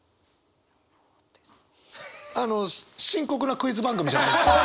あの深刻なクイズ番組じゃないから。